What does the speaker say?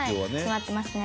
「決まってますね